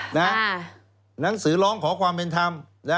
หนังสือร้องขอความเป็นธรรม